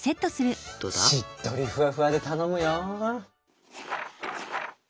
しっとりふわふわで頼むよ。